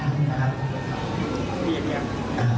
แล้วก็ขอให้ทุกอย่างทั้งนะครับ